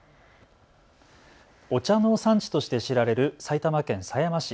お茶の産地として知られる埼玉県狭山市。